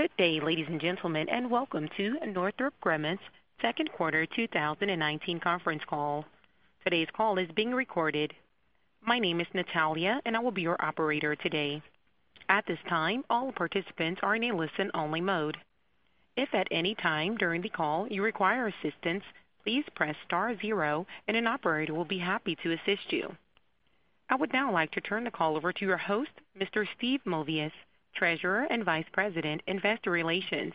Good day, ladies and gentlemen, and welcome to Northrop Grumman's second quarter 2019 conference call. Today's call is being recorded. My name is Natalia, and I will be your operator today. At this time, all participants are in a listen-only mode. If at any time during the call you require assistance, please press star zero and an operator will be happy to assist you. I would now like to turn the call over to your host, Mr. Steve Movius, Treasurer and Vice President, Investor Relations.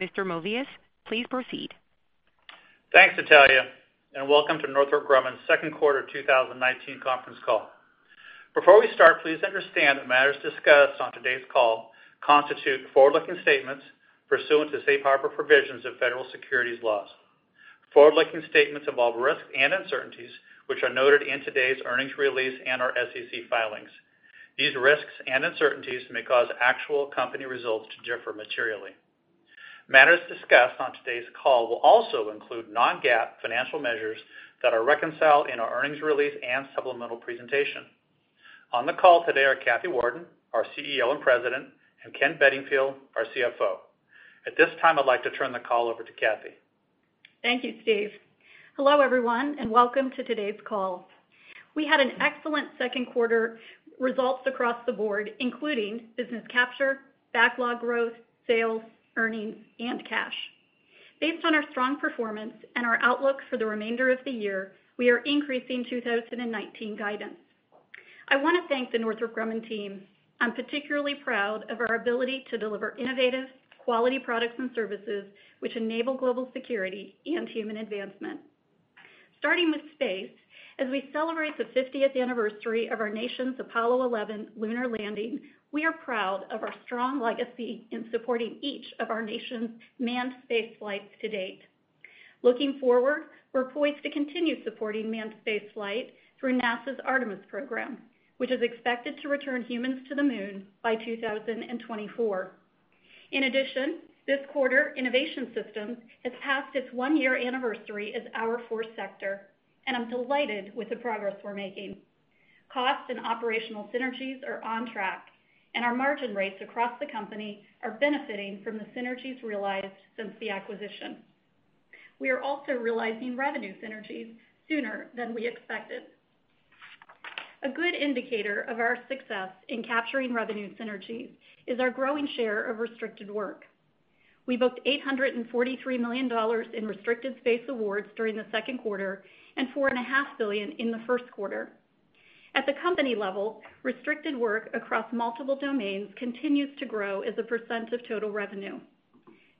Mr. Movius, please proceed. Thanks, Natalia, welcome to Northrop Grumman's second quarter 2019 conference call. Before we start, please understand that matters discussed on today's call constitute forward-looking statements pursuant to safe harbor provisions of federal securities laws. Forward-looking statements involve risks and uncertainties, which are noted in today's earnings release and our SEC filings. These risks and uncertainties may cause actual company results to differ materially. Matters discussed on today's call will also include non-GAAP financial measures that are reconciled in our earnings release and supplemental presentation. On the call today are Kathy Warden, our CEO and President, and Ken Bedingfield, our CFO. At this time, I'd like to turn the call over to Kathy. Thank you, Steve. Hello, everyone, and welcome to today's call. We had an excellent second quarter results across the board, including business capture, backlog growth, sales, earnings, and cash. Based on our strong performance and our outlook for the remainder of the year, we are increasing 2019 guidance. I want to thank the Northrop Grumman team. I'm particularly proud of our ability to deliver innovative, quality products and services which enable global security and human advancement. Starting with space, as we celebrate the 50th anniversary of our nation's Apollo 11 lunar landing, we are proud of our strong legacy in supporting each of our nation's manned space flights to date. Looking forward, we're poised to continue supporting manned space flight through NASA's Artemis program, which is expected to return humans to the moon by 2024. In addition, this quarter, Innovation Systems has passed its one-year anniversary as our fourth sector, and I'm delighted with the progress we're making. Costs and operational synergies are on track, and our margin rates across the company are benefiting from the synergies realized since the acquisition. We are also realizing revenue synergies sooner than we expected. A good indicator of our success in capturing revenue synergies is our growing share of restricted work. We booked $843 million in restricted space awards during the second quarter and $4.5 billion in the first quarter. At the company level, restricted work across multiple domains continues to grow as a percent of total revenue.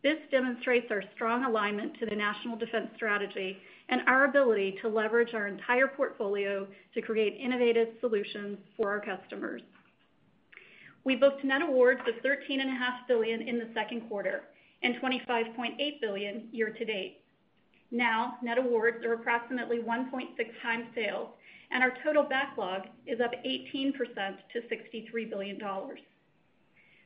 This demonstrates our strong alignment to the National Defense Strategy and our ability to leverage our entire portfolio to create innovative solutions for our customers. We booked net awards of $13.5 billion in the second quarter and $25.8 billion year-to-date. Net awards are approximately 1.6 times sales, and our total backlog is up 18% to $63 billion.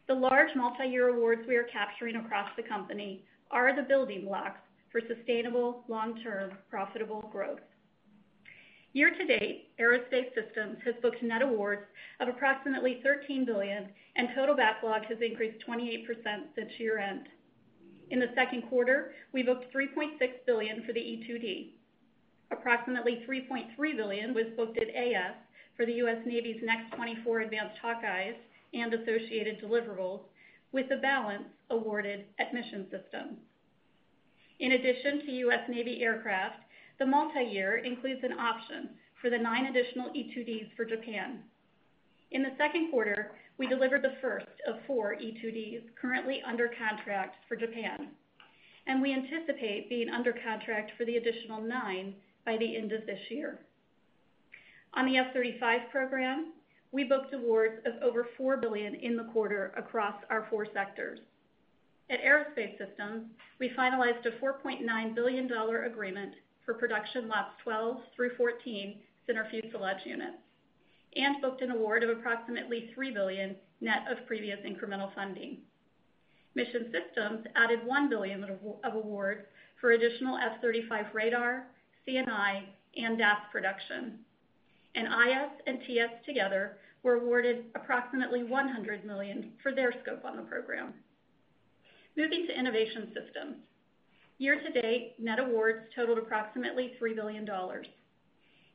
The large multi-year awards we are capturing across the company are the building blocks for sustainable, long-term, profitable growth. Year-to-date, Aerospace Systems has booked net awards of approximately $13 billion and total backlog has increased 28% since year-end. In the second quarter, we booked $3.6 billion for the E-2D. Approximately $3.3 billion was booked at AS for the U.S. Navy's next 24 advanced Hawkeyes and associated deliverables, with the balance awarded at Mission Systems. In addition to U.S. Navy aircraft, the multi-year includes an option for the nine additional E-2Ds for Japan. In the second quarter, we delivered the first of 4 E-2Ds currently under contract for Japan, and we anticipate being under contract for the additional 9 by the end of this year. On the F-35 program, we booked awards of over $4 billion in the quarter across our four sectors. At Aerospace Systems, we finalized a $4.9 billion agreement for production lots 12 through 14 center fuselage units and booked an award of approximately $3 billion net of previous incremental funding. Mission Systems added $1 billion of awards for additional F-35 radar, CNI, and DAS production. IS and TS together were awarded approximately $100 million for their scope on the program. Moving to Innovation Systems. Year to date, net awards totaled approximately $3 billion.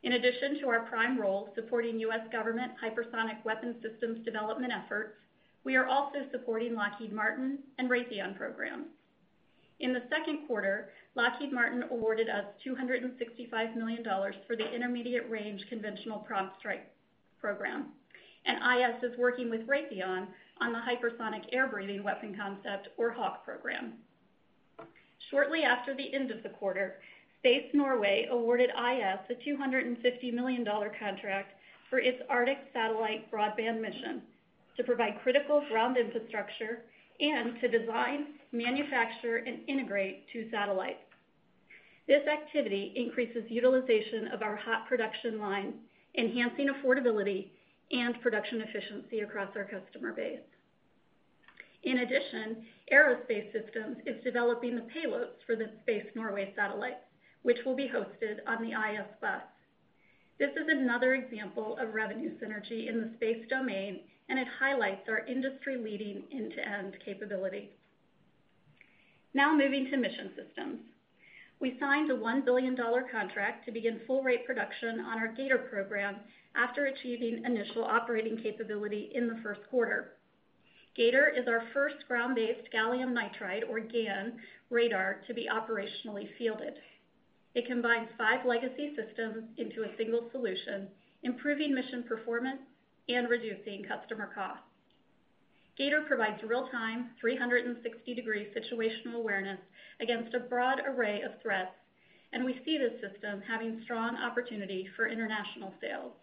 In addition to our prime role supporting U.S. government hypersonic weapon systems development efforts, we are also supporting Lockheed Martin and Raytheon programs. In the second quarter, Lockheed Martin awarded us $265 million for the Intermediate Range Conventional Prompt Strike program. IS is working with Raytheon on the Hypersonic Air-breathing Weapon Concept, or HAWC program. Shortly after the end of the quarter, Space Norway awarded IS a $250 million contract for its Arctic satellite broadband mission to provide critical ground infrastructure and to design, manufacture, and integrate two satellites. This activity increases utilization of our hot production line, enhancing affordability and production efficiency across our customer base. In addition, Aerospace Systems is developing the payloads for the Space Norway satellite, which will be hosted on the IS bus. This is another example of revenue synergy in the space domain. It highlights our industry-leading end-to-end capability. Now moving to Mission Systems. We signed a $1 billion contract to begin full rate production on our G/ATOR program after achieving initial operating capability in the first quarter. G/ATOR is our first ground-based gallium nitride, or GaN, radar to be operationally fielded. It combines five legacy systems into a single solution, improving mission performance and reducing customer costs. G/ATOR provides real-time, 360-degree situational awareness against a broad array of threats, and we see this system having strong opportunity for international sales.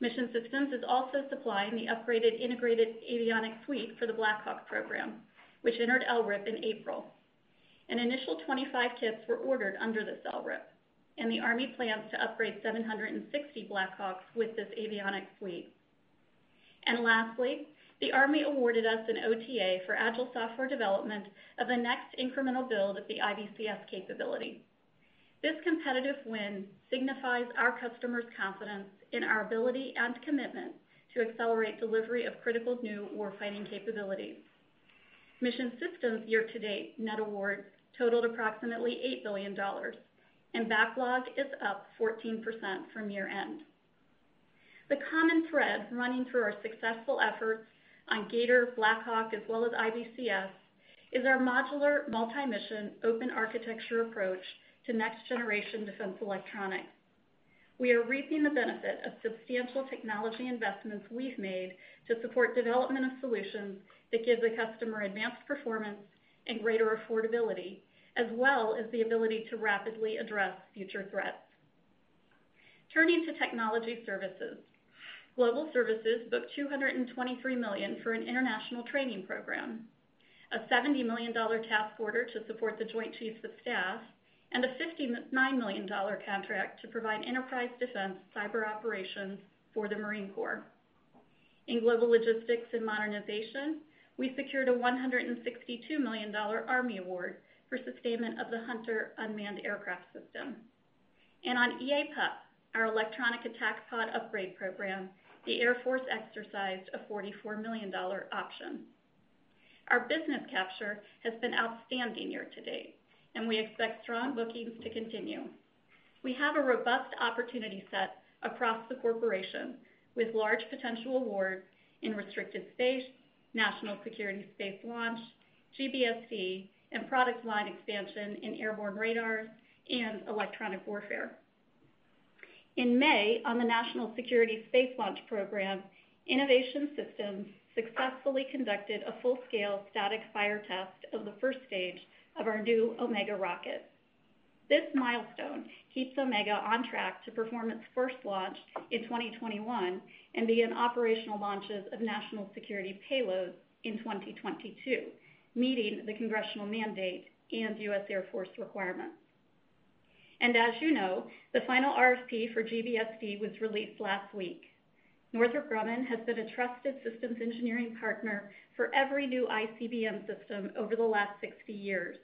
Mission Systems is also supplying the upgraded integrated avionics suite for the Black Hawk program, which entered LRIP in April. An initial 25 kits were ordered under this LRIP, and the Army plans to upgrade 760 Black Hawks with this avionics suite. Lastly, the Army awarded us an OTA for agile software development of the next incremental build of the IBCS capability. This competitive win signifies our customers' confidence in our ability and commitment to accelerate delivery of critical new warfighting capabilities. Mission Systems year-to-date net awards totaled approximately $8 billion, and backlog is up 14% from year-end. The common thread running through our successful efforts on G/ATOR, Black Hawk, as well as IBCS, is our modular multi-mission open architecture approach to next generation defense electronics. We are reaping the benefit of substantial technology investments we've made to support development of solutions that give the customer advanced performance and greater affordability, as well as the ability to rapidly address future threats. Turning to Technology Services. Global Services booked $223 million for an international training program, a $70 million task order to support the Joint Chiefs of Staff, and a $59 million contract to provide enterprise defense cyber operations for the Marine Corps. In Global Logistics and Modernization, we secured a $162 million Army award for sustainment of the Hunter unmanned aircraft system. On EAPUP, our electronic attack pod upgrade program, the Air Force exercised a $44 million option. Our business capture has been outstanding year-to-date, we expect strong bookings to continue. We have a robust opportunity set across the corporation with large potential awards in restricted space, National Security Space Launch, GBSD, and product line expansion in airborne radars and electronic warfare. In May, on the National Security Space Launch Program, Innovation Systems successfully conducted a full-scale static fire test of the first stage of our new OmegA rocket. This milestone keeps OmegA on track to perform its first launch in 2021 and begin operational launches of national security payloads in 2022, meeting the congressional mandate and US Air Force requirements. As you know, the final RFP for GBSD was released last week. Northrop Grumman has been a trusted systems engineering partner for every new ICBM system over the last 60 years.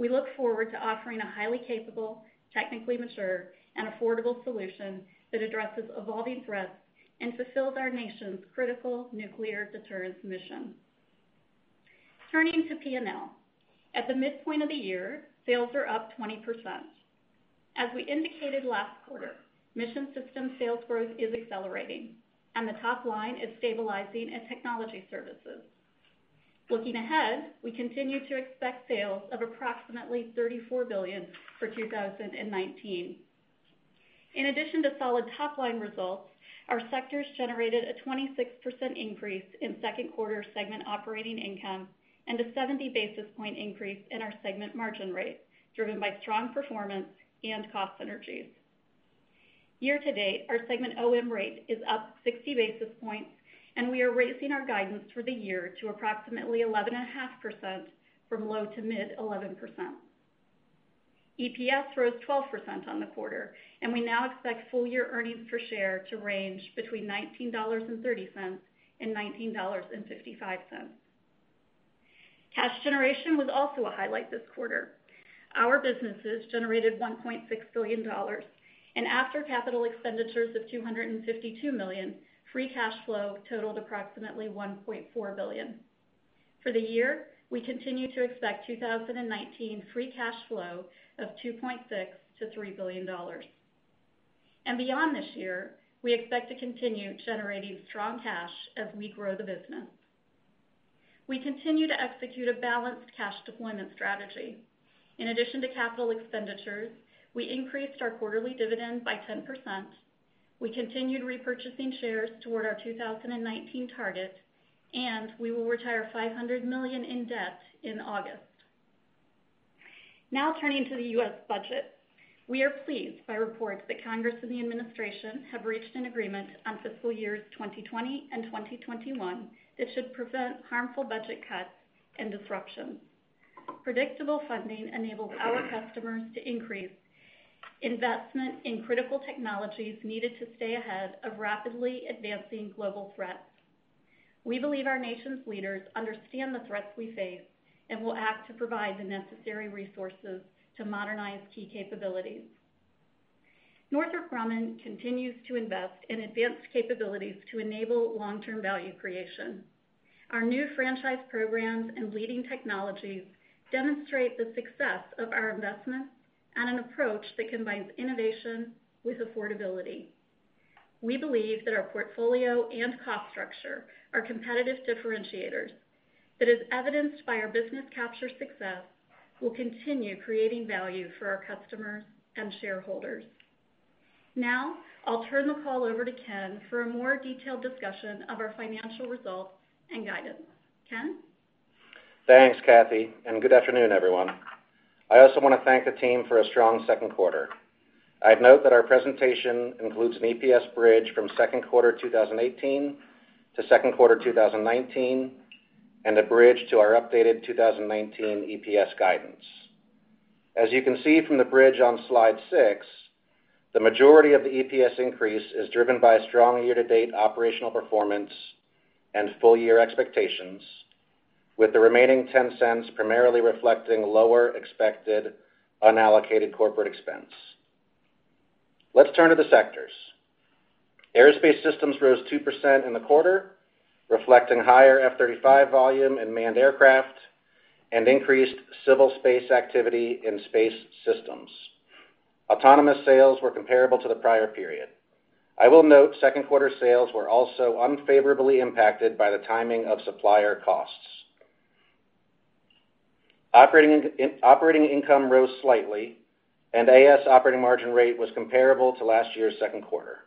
We look forward to offering a highly capable, technically mature, and affordable solution that addresses evolving threats and fulfills our nation's critical nuclear deterrence mission. Turning to P&L. At the midpoint of the year, sales are up 20%. As we indicated last quarter, Mission Systems sales growth is accelerating and the top line is stabilizing in Technology Services. Looking ahead, we continue to expect sales of approximately $34 billion for 2019. In addition to solid top-line results, our sectors generated a 26% increase in second quarter segment operating income and a 70 basis point increase in our segment margin rate, driven by strong performance and cost synergies. Year to date, our segment OM rate is up 60 basis points. We are raising our guidance for the year to approximately 11.5% from low to mid 11%. EPS rose 12% on the quarter. We now expect full-year earnings per share to range between $19.30 and $19.55. Cash generation was also a highlight this quarter. Our businesses generated $1.6 billion, and after capital expenditures of $252 million, free cash flow totaled approximately $1.4 billion. For the year, we continue to expect 2019 free cash flow of $2.6 billion to $3 billion. Beyond this year, we expect to continue generating strong cash as we grow the business. We continue to execute a balanced cash deployment strategy. In addition to capital expenditures, we increased our quarterly dividend by 10%. We continued repurchasing shares toward our 2019 target. We will retire $500 million in debt in August. Turning to the U.S. budget. We are pleased by reports that Congress and the administration have reached an agreement on fiscal years 2020 and 2021 that should prevent harmful budget cuts and disruption. Predictable funding enables our customers to increase investment in critical technologies needed to stay ahead of rapidly advancing global threats. We believe our nation's leaders understand the threats we face and will act to provide the necessary resources to modernize key capabilities. Northrop Grumman continues to invest in advanced capabilities to enable long-term value creation. Our new franchise programs and leading technologies demonstrate the success of our investments and an approach that combines innovation with affordability. We believe that our portfolio and cost structure are competitive differentiators that, as evidenced by our business capture success, will continue creating value for our customers and shareholders. Now, I'll turn the call over to Ken for a more detailed discussion of our financial results and guidance. Ken? Thanks, Kathy. Good afternoon, everyone. I also want to thank the team for a strong second quarter. I'd note that our presentation includes an EPS bridge from second quarter 2018 to second quarter 2019 and a bridge to our updated 2019 EPS guidance. As you can see from the bridge on slide six, the majority of the EPS increase is driven by a strong year-to-date operational performance and full-year expectations, with the remaining $0.10 primarily reflecting lower expected unallocated corporate expense. Let's turn to the sectors. Aerospace Systems rose 2% in the quarter, reflecting higher F-35 volume in manned aircraft and increased civil space activity in space systems. Autonomous sales were comparable to the prior period. I will note second quarter sales were also unfavorably impacted by the timing of supplier costs. Operating income rose slightly. AS operating margin rate was comparable to last year's second quarter.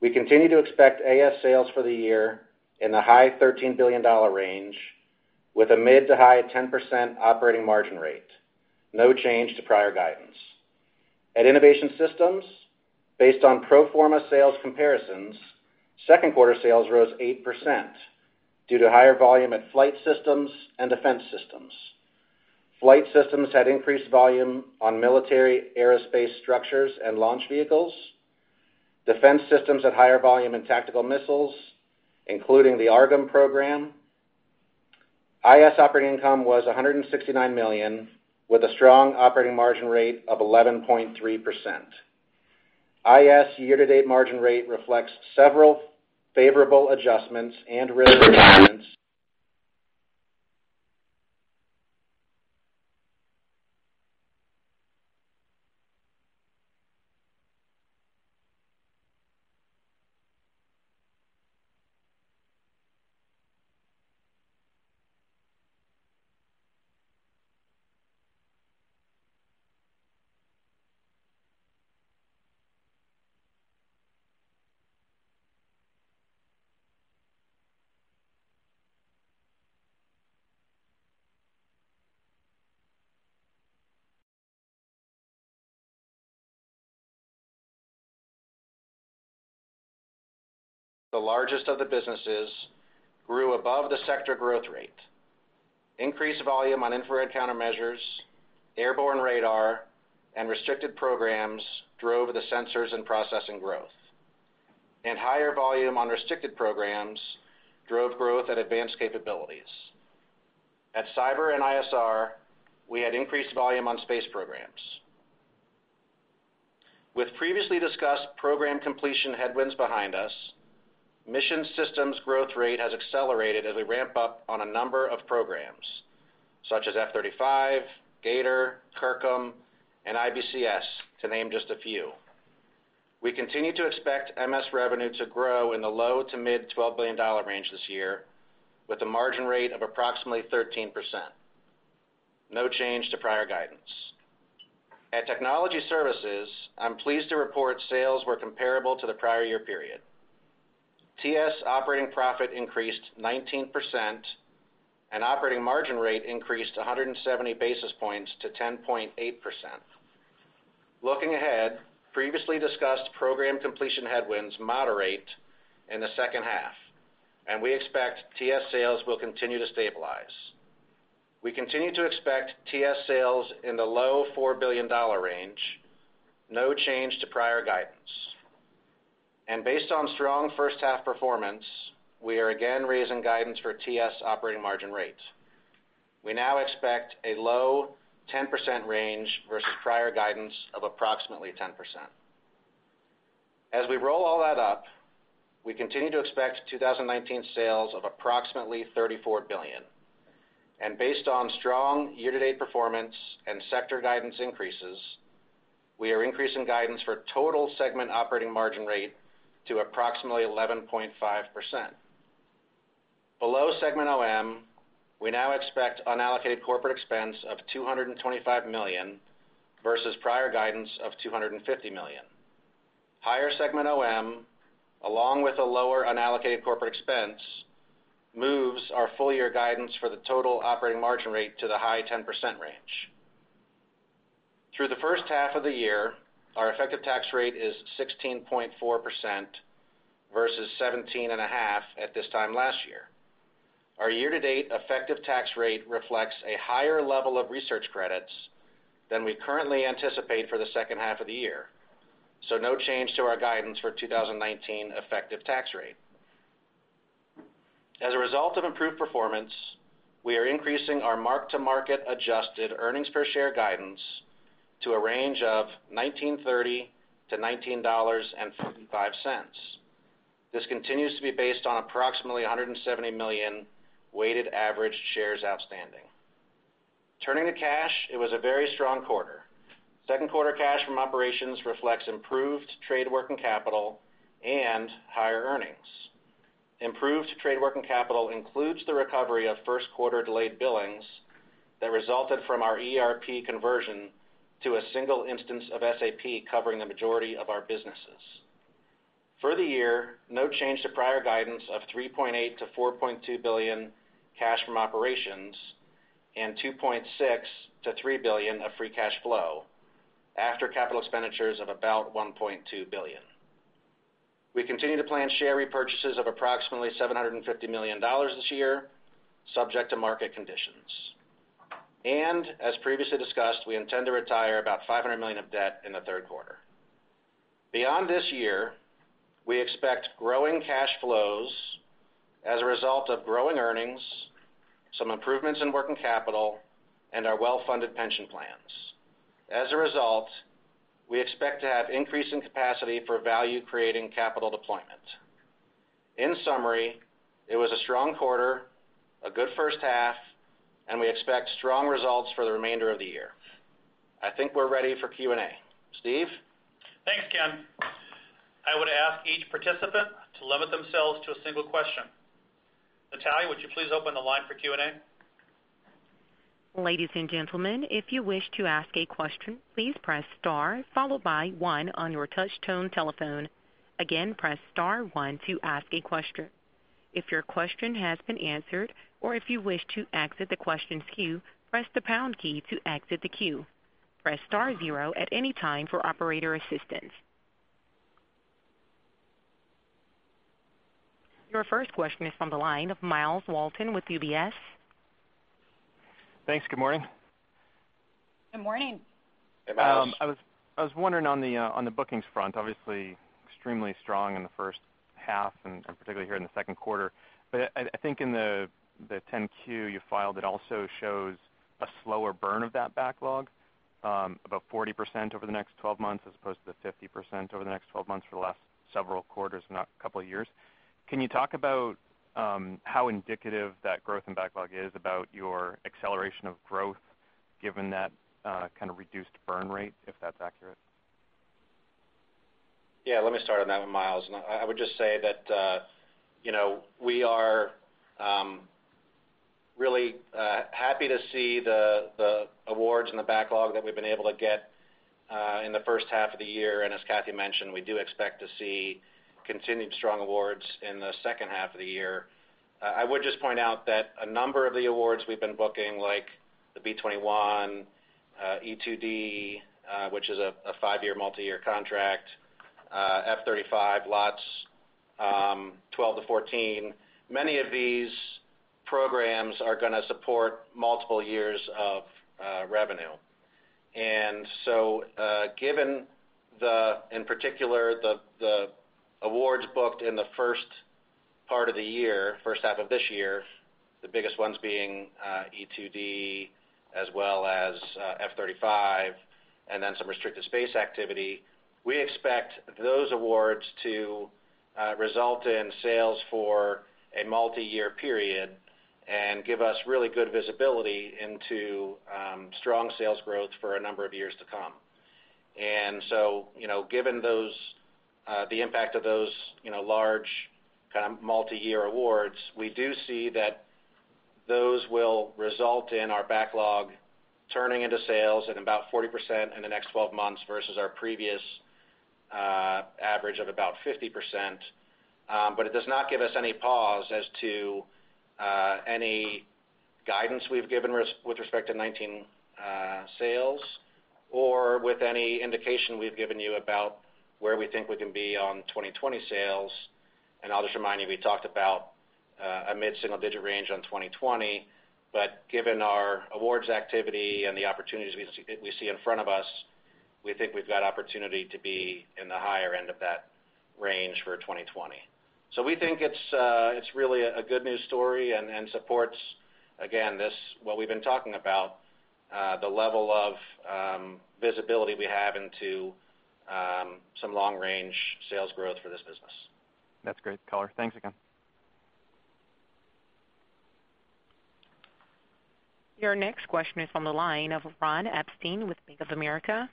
We continue to expect AS sales for the year in the high $13 billion range with a mid to high 10% operating margin rate. No change to prior guidance. At Innovation Systems, based on pro forma sales comparisons, second quarter sales rose 8% due to higher volume at Flight Systems and Defense Systems. Flight Systems had increased volume on military aerospace structures and launch vehicles. Defense Systems had higher volume in tactical missiles, including the AARGM program. IS operating income was $169 million with a strong operating margin rate of 11.3%. IS year-to-date margin rate reflects several favorable adjustments and risk reductions. The largest of the businesses grew above the sector growth rate. Increased volume on infrared countermeasures, airborne radar, and restricted programs drove the sensors and processing growth. Higher volume on restricted programs drove growth at advanced capabilities. At cyber and ISR, we had increased volume on space programs. With previously discussed program completion headwinds behind us, Mission Systems growth rate has accelerated as we ramp up on a number of programs such as F-35, G/ATOR, CIRCM, and IBCS, to name just a few. We continue to expect MS revenue to grow in the low to mid $12 billion range this year with a margin rate of approximately 13%. No change to prior guidance. At Technology Services, I'm pleased to report sales were comparable to the prior year period. TS operating profit increased 19%, and operating margin rate increased 170 basis points to 10.8%. Looking ahead, previously discussed program completion headwinds moderate in the second half, and we expect TS sales will continue to stabilize. We continue to expect TS sales in the low $4 billion range, no change to prior guidance. Based on strong first half performance, we are again raising guidance for TS operating margin rate. We now expect a low 10% range versus prior guidance of approximately 10%. As we roll all that up, we continue to expect 2019 sales of approximately $34 billion. Based on strong year-to-date performance and sector guidance increases, we are increasing guidance for total segment operating margin rate to approximately 11.5%. Below segment OM, we now expect unallocated corporate expense of $225 million versus prior guidance of $250 million. Higher segment OM, along with a lower unallocated corporate expense, moves our full year guidance for the total operating margin rate to the high 10% range. Through the first half of the year, our effective tax rate is 16.4% versus 17.5% at this time last year. Our year-to-date effective tax rate reflects a higher level of research credits than we currently anticipate for the second half of the year, so no change to our guidance for 2019 effective tax rate. As a result of improved performance, we are increasing our mark-to-market adjusted earnings per share guidance to a range of $19.30 to $19.45. This continues to be based on approximately 170 million weighted average shares outstanding. Turning to cash, it was a very strong quarter. Second quarter cash from operations reflects improved trade working capital and higher earnings. Improved trade working capital includes the recovery of first quarter delayed billings that resulted from our ERP conversion to a single instance of SAP covering the majority of our businesses. For the year, no change to prior guidance of $3.8 billion-$4.2 billion cash from operations and $2.6 billion-$3 billion of free cash flow after CapEx of about $1.2 billion. We continue to plan share repurchases of approximately $750 million this year, subject to market conditions. As previously discussed, we intend to retire about $500 million of debt in the third quarter. Beyond this year, we expect growing cash flows as a result of growing earnings, some improvements in working capital, and our well-funded pension plans. As a result, we expect to have increasing capacity for value-creating capital deployment. In summary, it was a strong quarter, a good first half, and we expect strong results for the remainder of the year. I think we're ready for Q&A. Steve? Thanks, Ken. I would ask each participant to limit themselves to a single question. Natalia, would you please open the line for Q&A? Ladies and gentlemen, if you wish to ask a question, please press star followed by one on your touch tone telephone. Again, press star one to ask a question. If your question has been answered or if you wish to exit the questions queue, press the pound key to exit the queue. Press star zero at any time for operator assistance. Your first question is from the line of Myles Walton with UBS. Thanks. Good morning. Good morning. Hey, Myles. I was wondering on the bookings front, obviously extremely strong in the first half and particularly here in the second quarter, but I think in the 10-Q you filed, it also shows a slower burn of that backlog, about 40% over the next 12 months as opposed to the 50% over the next 12 months for the last several quarters, a couple of years. Can you talk about how indicative that growth and backlog is about your acceleration of growth, given that kind of reduced burn rate, if that's accurate? Yeah, let me start on that one, Myles. I would just say that we are really happy to see the awards and the backlog that we've been able to get in the first half of the year. As Kathy mentioned, we do expect to see continued strong awards in the second half of the year. I would just point out that a number of the awards we've been booking, like the B-21, E-2D which is a five-year multi-year contract, F-35 Lots 12-14. Many of these programs are going to support multiple years of revenue. Given in particular the awards booked in the first part of the year, first half of this year, the biggest ones being E-2D as well as F-35, and then some restricted space activity. We expect those awards to result in sales for a multi-year period and give us really good visibility into strong sales growth for a number of years to come. Given the impact of those large kind of multi-year awards, we do see that those will result in our backlog turning into sales at about 40% in the next 12 months versus our previous average of about 50%. It does not give us any pause as to any guidance we've given with respect to 2019 sales or with any indication we've given you about where we think we can be on 2020 sales. I'll just remind you, we talked about a mid-single digit range on 2020. Given our awards activity and the opportunities we see in front of us, we think we've got opportunity to be in the higher end of that range for 2020. We think it's really a good news story and supports, again, what we've been talking about, the level of visibility we have into some long-range sales growth for this business. That's great color. Thanks again. Your next question is on the line of Ron Epstein with Bank of America.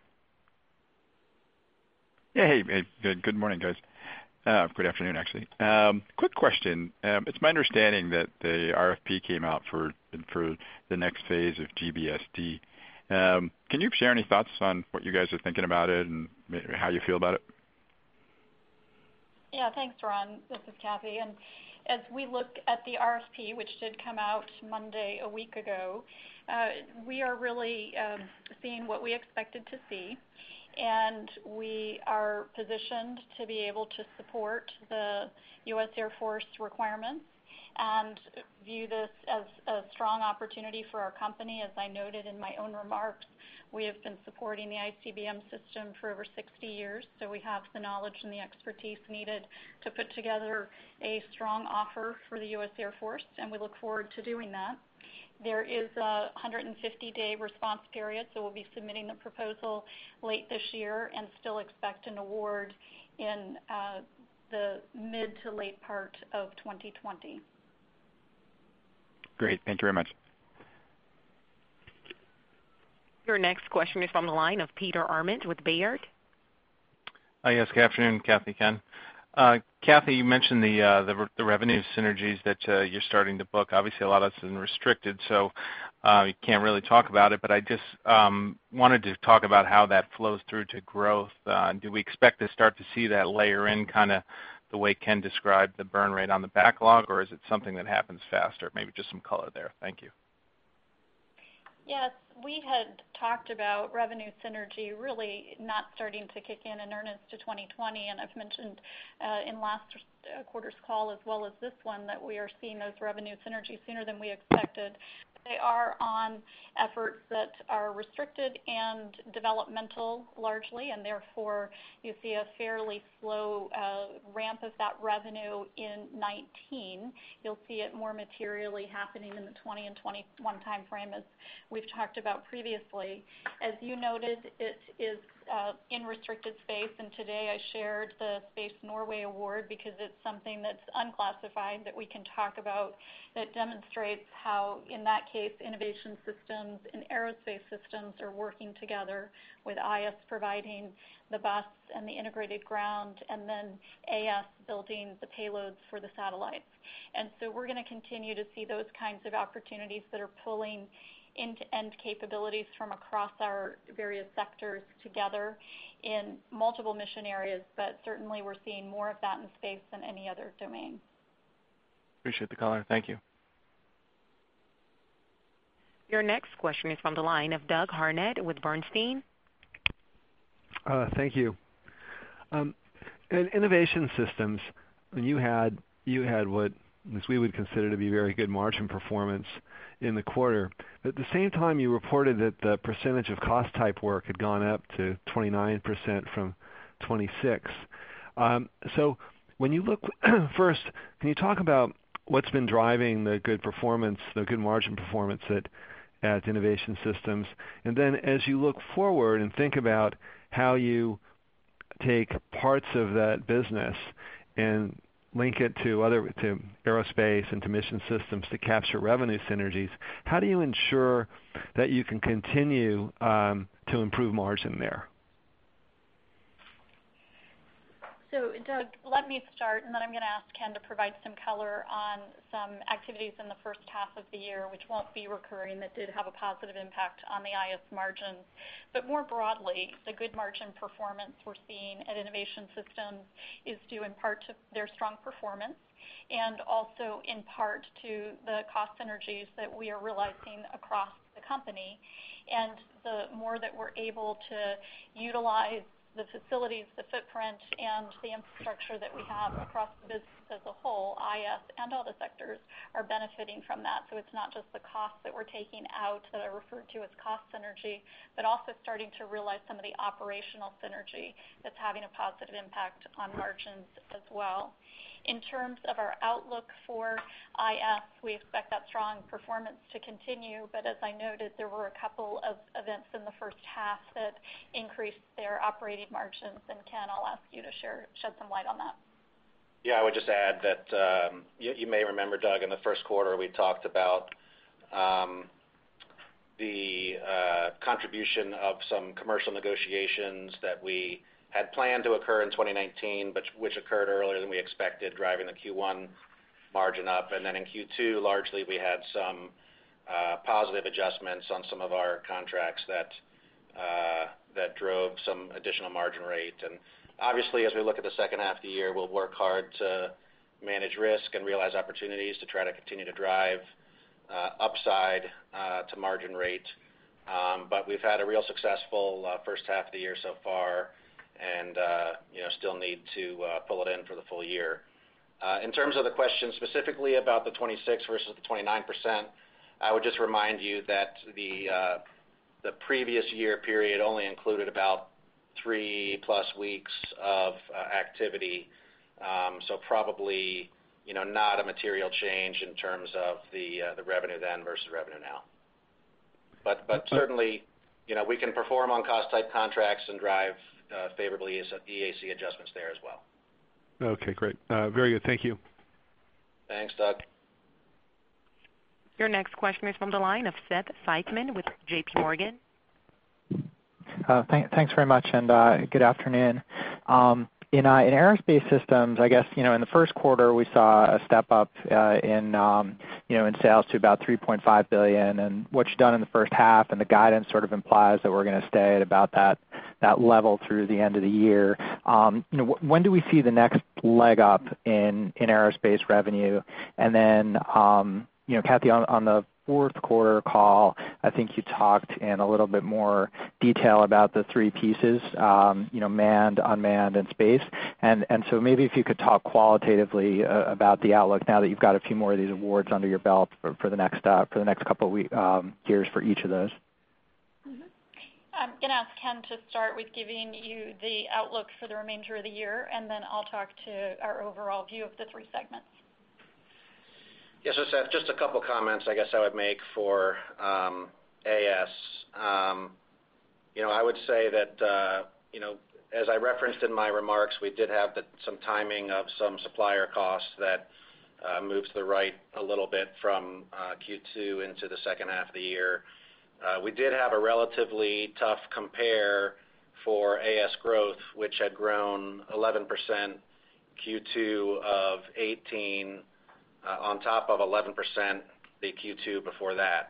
Hey. Good morning, guys. Good afternoon, actually. Quick question. It's my understanding that the RFP came out for the next phase of GBSD. Can you share any thoughts on what you guys are thinking about it and how you feel about it? Thanks, Ron. This is Kathy. As we look at the RFP, which did come out Monday a week ago, we are really seeing what we expected to see, and we are positioned to be able to support the U.S. Air Force requirements and view this as a strong opportunity for our company. As I noted in my own remarks, we have been supporting the ICBM system for over 60 years, we have the knowledge and the expertise needed to put together a strong offer for the U.S. Air Force, we look forward to doing that. There is a 150-day response period, we'll be submitting the proposal late this year and still expect an award in the mid to late part of 2020. Great. Thank you very much. Your next question is from the line of Peter Arment with B. Riley. Yes. Good afternoon, Kathy, Ken. Kathy, you mentioned the revenue synergies that you're starting to book. Obviously, a lot of that's been restricted, so you can't really talk about it. I just wanted to talk about how that flows through to growth. Do we expect to start to see that layer in kind of the way Ken described the burn rate on the backlog, or is it something that happens faster? Maybe just some color there. Thank you. Yes. We had talked about revenue synergy really not starting to kick in earnest to 2020. I've mentioned in last quarter's call as well as this one, that we are seeing those revenue synergies sooner than we expected. They are on efforts that are restricted and developmental largely. Therefore, you see a fairly slow ramp of that revenue in 2019. You'll see it more materially happening in the 2020 and 2021 timeframe, as we've talked about previously. As you noted, it is in restricted space. Today I shared the Space Norway award because it's something that's unclassified that we can talk about that demonstrates how, in that case, Innovation Systems and Aerospace Systems are working together with IS providing the bus and the integrated ground, and then AS building the payloads for the satellites. We're going to continue to see those kinds of opportunities that are pulling end-to-end capabilities from across our various sectors together in multiple mission areas. Certainly, we're seeing more of that in space than any other domain. Appreciate the color. Thank you. Your next question is from the line of Doug Harned with Bernstein. Thank you. In Innovation Systems, you had what, as we would consider, to be very good margin performance in the quarter. At the same time, you reported that the percentage of cost type work had gone up to 29% from 26%. First, can you talk about what's been driving the good margin performance at Innovation Systems? As you look forward and think about how you take parts of that business and link it to Aerospace and to Mission Systems to capture revenue synergies, how do you ensure that you can continue to improve margin there? Doug, let me start, and then I'm going to ask Ken to provide some color on some activities in the first half of the year, which won't be recurring, that did have a positive impact on the IS margins. More broadly, the good margin performance we're seeing at Innovation Systems is due in part to their strong performance and also in part to the cost synergies that we are realizing across the company. The more that we're able to utilize the facilities, the footprint, and the infrastructure that we have across the business as a whole, IS and all the sectors are benefiting from that. It's not just the costs that we're taking out that are referred to as cost synergy, but also starting to realize some of the operational synergy that's having a positive impact on margins as well. In terms of our outlook for IS, we expect that strong performance to continue, but as I noted, there were a couple of events in the first half that increased their operating margins. Ken, I'll ask you to shed some light on that. Yeah. I would just add that, you may remember, Doug, in the first quarter, we talked about the contribution of some commercial negotiations that we had planned to occur in 2019, which occurred earlier than we expected, driving the Q1 margin up. In Q2, largely, we had some positive adjustments on some of our contracts that drove some additional margin rate. Obviously, as we look at the second half of the year, we'll work hard to manage risk and realize opportunities to try to continue to drive upside to margin rate. We've had a real successful first half of the year so far and still need to pull it in for the full year. In terms of the question specifically about the 26 versus the 29%, I would just remind you that the previous year period only included about three-plus weeks of activity. Probably not a material change in terms of the revenue then versus revenue now. Certainly, we can perform on cost-type contracts and drive favorably as EAC adjustments there as well. Okay, great. Very good. Thank you. Thanks, Doug. Your next question is from the line of Seth Seifman with JPMorgan. Thanks very much, good afternoon. In Aerospace Systems, I guess, in the first quarter, we saw a step-up in sales to about $3.5 billion, and what you've done in the first half and the guidance sort of implies that we're going to stay at about that level through the end of the year. When do we see the next leg up in aerospace revenue? Then, Kathy, on the fourth quarter call, I think you talked in a little bit more detail about the three pieces, manned, unmanned, and space. Maybe if you could talk qualitatively about the outlook now that you've got a few more of these awards under your belt for the next couple of years for each of those. I'm going to ask Ken to start with giving you the outlook for the remainder of the year, and then I'll talk to our overall view of the three segments. Yes, Seth, just a couple of comments I guess I would make for AS. I would say that, as I referenced in my remarks, we did have some timing of some supplier costs that moved to the right a little bit from Q2 into the second half of the year. We did have a relatively tough compare for AS growth, which had grown 11% Q2 of 2018, on top of 11% the Q2 before that.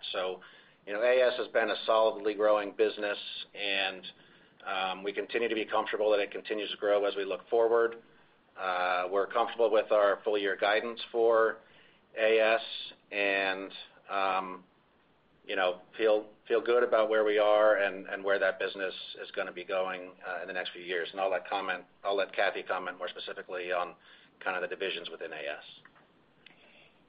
AS has been a solidly growing business, and we continue to be comfortable that it continues to grow as we look forward. We're comfortable with our full-year guidance for AS and feel good about where we are and where that business is going to be going in the next few years. I'll let Kathy comment more specifically on kind of the divisions within AS.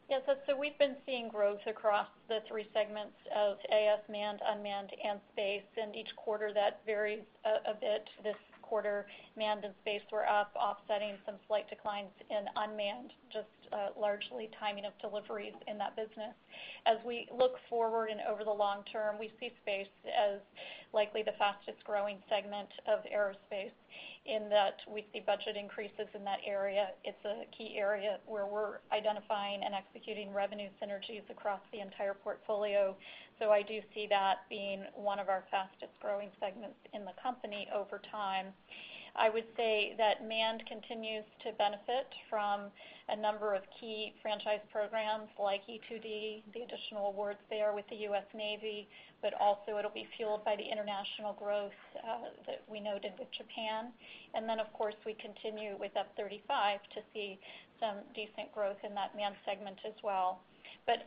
Yeah, we've been seeing growth across the three segments of AS manned, unmanned, and space. Each quarter that varies a bit. This quarter, manned and space were up offsetting some slight declines in unmanned, just largely timing of deliveries in that business. As we look forward and over the long term, we see space as likely the fastest-growing segment of aerospace, in that we see budget increases in that area. It's a key area where we're identifying and executing revenue synergies across the entire portfolio. I do see that being one of our fastest-growing segments in the company over time. I would say that manned continues to benefit from a number of key franchise programs like E-2D, the additional awards there with the US Navy, also it'll be fueled by the international growth that we noted with Japan. Of course, we continue with F-35 to see some decent growth in that manned segment as well.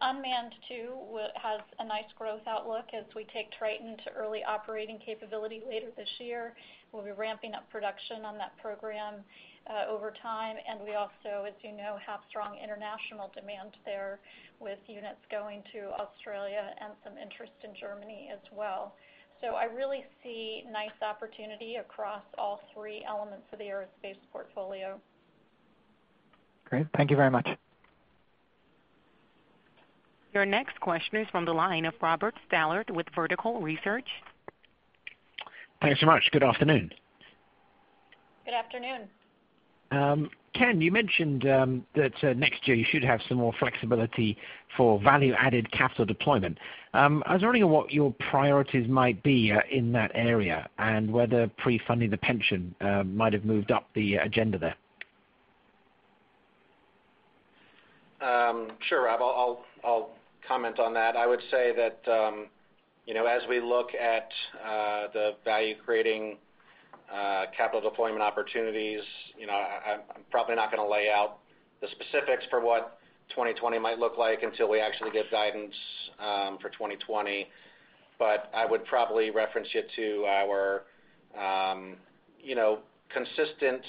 Unmanned too, has a nice growth outlook as we take Triton to early operating capability later this year. We'll be ramping up production on that program over time. We also, as you know, have strong international demand there with units going to Australia and some interest in Germany as well. I really see nice opportunity across all three elements of the aerospace portfolio. Great. Thank you very much. Your next question is from the line of Robert Stallard with Vertical Research. Thanks so much. Good afternoon. Good afternoon. Ken, you mentioned that next year you should have some more flexibility for value-added capital deployment. I was wondering what your priorities might be in that area and whether pre-funding the pension might have moved up the agenda there. Sure, Rob, I'll comment on that. I would say that as we look at the value-creating capital deployment opportunities, I'm probably not going to lay out the specifics for what 2020 might look like until we actually give guidance for 2020. I would probably reference you to our consistent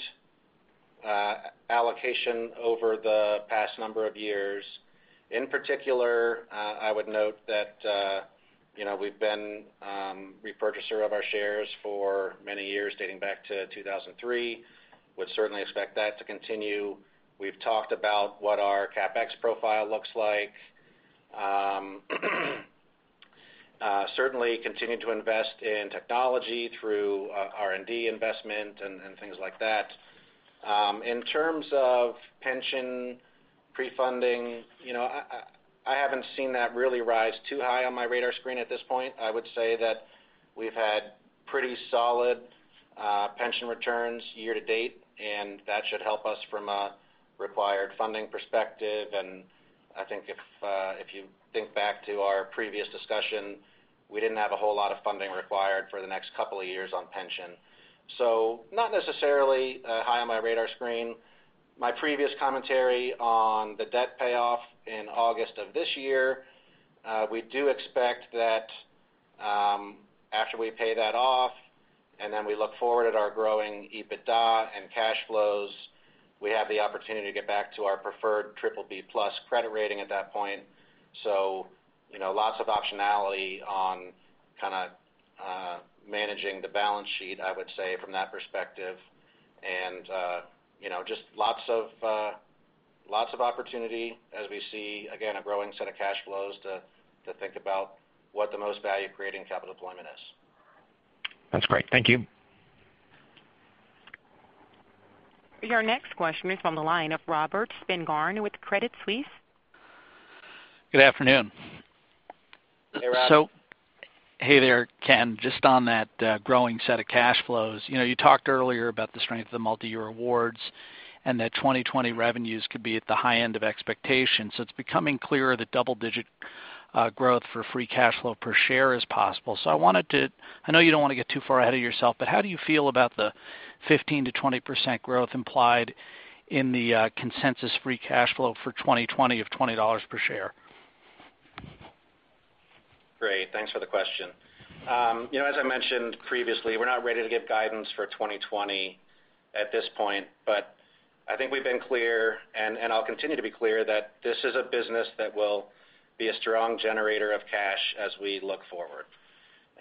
allocation over the past number of years. In particular, I would note that we've been repurchaser of our shares for many years, dating back to 2003. We would certainly expect that to continue. We've talked about what our CapEx profile looks like. We certainly continue to invest in technology through R&D investment and things like that. In terms of pension pre-funding, I haven't seen that really rise too high on my radar screen at this point. I would say that we've had pretty solid pension returns year to date, and that should help us from a required funding perspective. I think if you think back to our previous discussion, we didn't have a whole lot of funding required for the next couple of years on pension. Not necessarily high on my radar screen. My previous commentary on the debt payoff in August of this year, we do expect that after we pay that off, and then we look forward at our growing EBITDA and cash flows, we have the opportunity to get back to our preferred BBB+ credit rating at that point. Lots of optionality on kind of managing the balance sheet, I would say, from that perspective. Just lots of opportunity as we see, again, a growing set of cash flows to think about what the most value-creating capital deployment is. That's great. Thank you. Your next question is from the line of Robert Spingarn with Credit Suisse. Good afternoon. Hey, Rob. Hey there, Ken. Just on that growing set of cash flows. You talked earlier about the strength of the multi-year awards and that 2020 revenues could be at the high end of expectations. It's becoming clearer that double-digit growth for free cash flow per share is possible. I know you don't want to get too far ahead of yourself, how do you feel about the 15%-20% growth implied in the consensus free cash flow for 2020 of $20 per share? Great. Thanks for the question. As I mentioned previously, we're not ready to give guidance for 2020 at this point, but I think we've been clear, and I'll continue to be clear, that this is a business that will be a strong generator of cash as we look forward.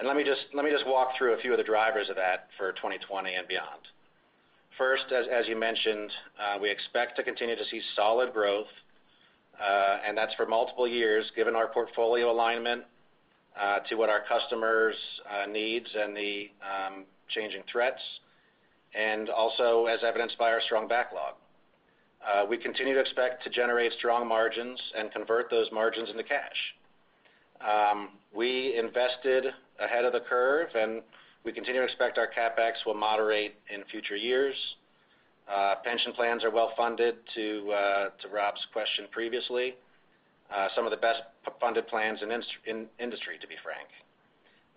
Let me just walk through a few of the drivers of that for 2020 and beyond. First, as you mentioned, we expect to continue to see solid growth. That's for multiple years, given our portfolio alignment to what our customers' needs and the changing threats, and also as evidenced by our strong backlog. We continue to expect to generate strong margins and convert those margins into cash. We invested ahead of the curve, and we continue to expect our CapEx will moderate in future years. Pension plans are well-funded, to Rob's question previously. Some of the best-funded plans in industry, to be frank.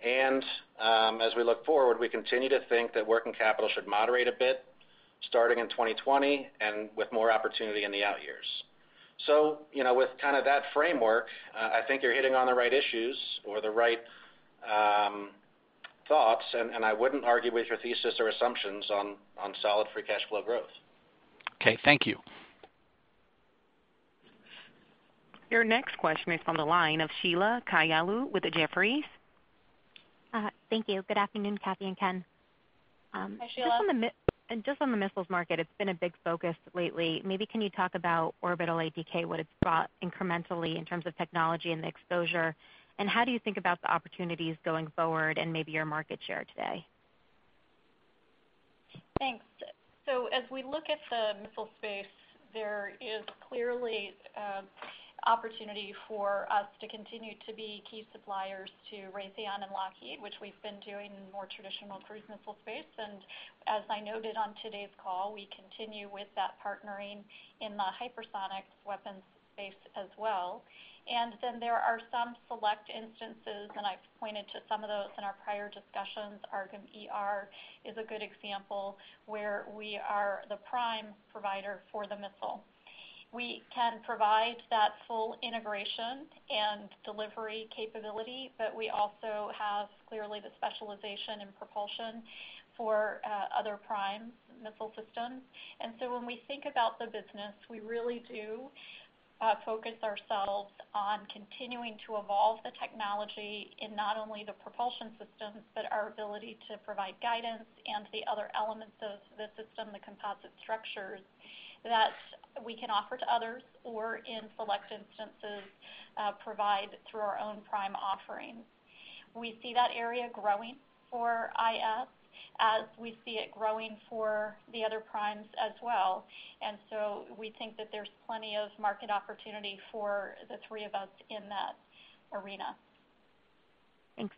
As we look forward, we continue to think that working capital should moderate a bit starting in 2020 and with more opportunity in the out years. With that framework, I think you're hitting on the right issues or the right thoughts, and I wouldn't argue with your thesis or assumptions on solid free cash flow growth. Okay, thank you. Your next question is from the line of Sheila Kahyaoglu with Jefferies. Thank you. Good afternoon, Kathy and Ken. Hi, Sheila. Just on the missiles market, it's been a big focus lately. Maybe can you talk about Orbital ATK, what it's brought incrementally in terms of technology and the exposure, how do you think about the opportunities going forward and maybe your market share today? Thanks. As we look at the missile space, there is clearly opportunity for us to continue to be key suppliers to Raytheon and Lockheed, which we've been doing in the more traditional cruise missile space. As I noted on today's call, we continue with that partnering in the hypersonic weapons space as well. There are some select instances, and I've pointed to some of those in our prior discussions. AARGM-ER is a good example, where we are the prime provider for the missile. We can provide that full integration and delivery capability, but we also have, clearly, the specialization in propulsion for other prime missile systems. When we think about the business, we really do focus ourselves on continuing to evolve the technology in not only the propulsion systems, but our ability to provide guidance and the other elements of the system, the composite structures, that we can offer to others, or in select instances, provide through our own prime offerings. We see that area growing for IS as we see it growing for the other primes as well. We think that there's plenty of market opportunity for the three of us in that arena. Thanks.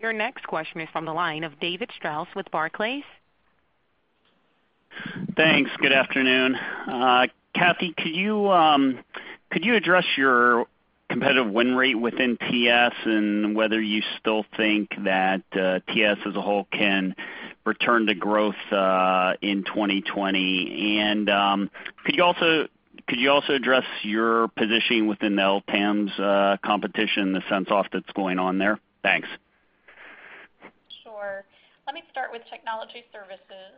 Your next question is from the line of David Strauss with Barclays. Thanks. Good afternoon. Kathy, could you address your competitive win rate within TS and whether you still think that TS as a whole can return to growth in 2020? Could you also address your positioning within the LTAMDS competition and the sense-off that's going on there? Thanks. Sure. Let me start with Technology Services.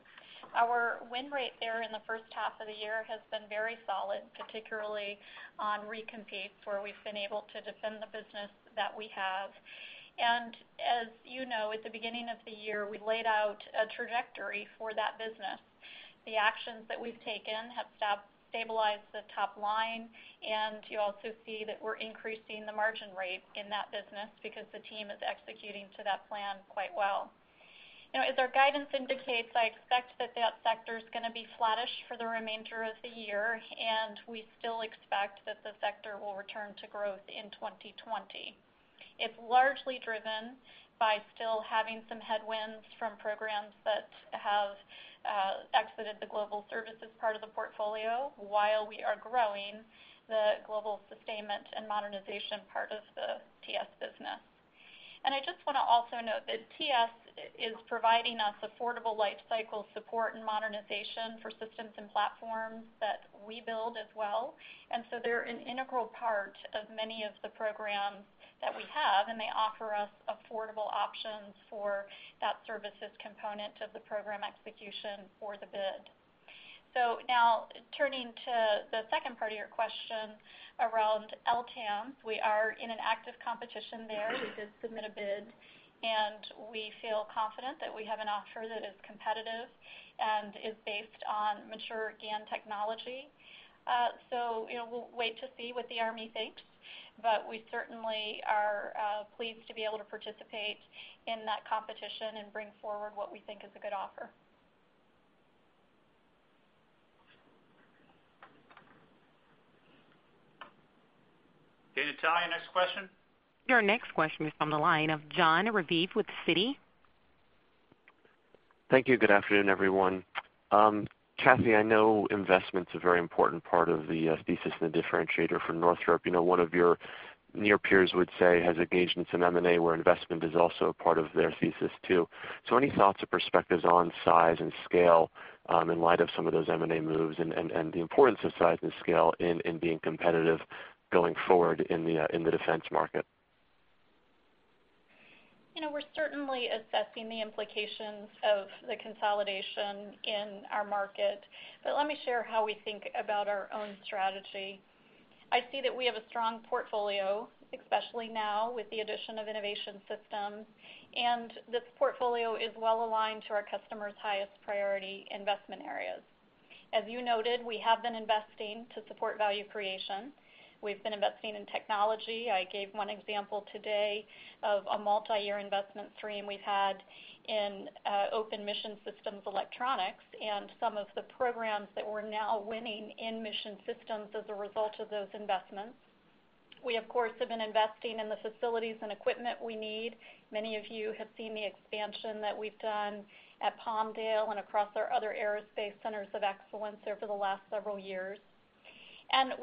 Our win rate there in the first half of the year has been very solid, particularly on recompetes, where we've been able to defend the business that we have. As you know, at the beginning of the year, we laid out a trajectory for that business. The actions that we've taken have stabilized the top line, and you also see that we're increasing the margin rate in that business because the team is executing to that plan quite well. As our guidance indicates, I expect that that sector's going to be flattish for the remainder of the year, and we still expect that the sector will return to growth in 2020. It's largely driven by still having some headwinds from programs that have exited the Global Services part of the portfolio while we are growing the global sustainment and modernization part of the TS business. I just want to also note that TS is providing us affordable life cycle support and modernization for systems and platforms that we build as well. They're an integral part of many of the programs that we have, and they offer us affordable options for that services component of the program execution for the bid. Now turning to the second part of your question around LTAMDS. We are in an active competition there. We did submit a bid, and we feel confident that we have an offer that is competitive and is based on mature GaN technology. We'll wait to see what the Army thinks, but we certainly are pleased to be able to participate in that competition and bring forward what we think is a good offer. [Is Jon], next question. Your next question is from the line of Jon Raviv with Citi. Thank you. Good afternoon, everyone. Kathy, I know investment's a very important part of the thesis and the differentiator for Northrop Grumman. One of your near peers would say, has engaged in some M&A where investment is also a part of their thesis too. Any thoughts or perspectives on size and scale in light of some of those M&A moves and the importance of size and scale in being competitive going forward in the defense market? We're certainly assessing the implications of the consolidation in our market, but let me share how we think about our own strategy. I see that we have a strong portfolio, especially now with the addition of Innovation Systems, and this portfolio is well-aligned to our customers' highest priority investment areas. As you noted, we have been investing to support value creation. We've been investing in technology. I gave one example today of a multi-year investment stream we've had in open Mission Systems electronics, and some of the programs that we're now winning in Mission Systems as a result of those investments. We, of course, have been investing in the facilities and equipment we need. Many of you have seen the expansion that we've done at Palmdale and across our other aerospace centers of excellence there for the last several years.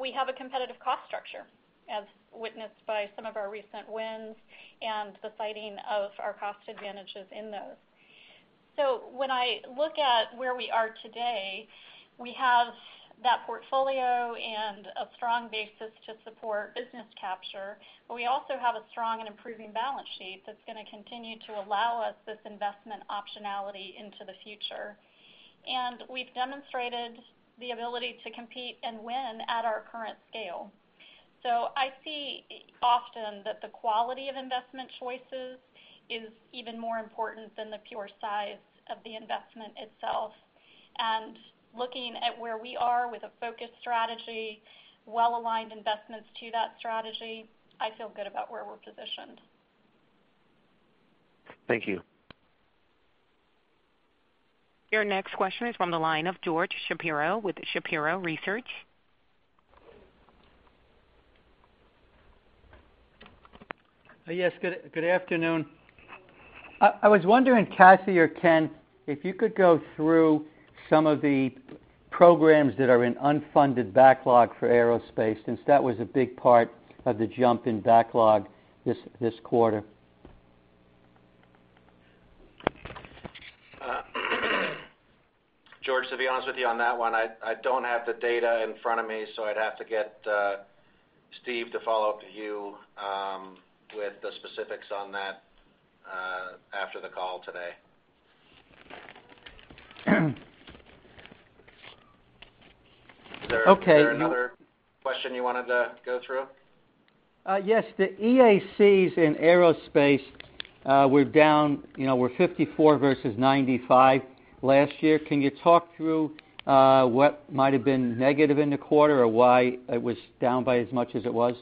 We have a competitive cost structure, as witnessed by some of our recent wins and the citing of our cost advantages in those. When I look at where we are today, we have that portfolio and a strong basis to support business capture, but we also have a strong and improving balance sheet that's going to continue to allow us this investment optionality into the future. We've demonstrated the ability to compete and win at our current scale. I see often that the quality of investment choices is even more important than the pure size of the investment itself. Looking at where we are with a focused strategy, well-aligned investments to that strategy, I feel good about where we're positioned. Thank you. Your next question is from the line of George Shapiro with Shapiro Research. Yes. Good afternoon. I was wondering, Kathy or Ken, if you could go through some of the programs that are in unfunded backlog for aerospace, since that was a big part of the jump in backlog this quarter? George, to be honest with you, on that one, I don't have the data in front of me. I'd have to get Steve to follow up with you with the specifics on that after the call today. Okay. Is there another question you wanted to go through? Yes. The EACs in aerospace were down, were 54 versus 95 last year. Can you talk through what might have been negative in the quarter, or why it was down by as much as it was?